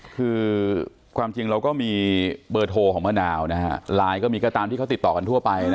คือความจริงเราก็มีเบอร์โทรของมะนาวไลน์ก็มีก็ตามที่เขาติดต่อกันทั่วไป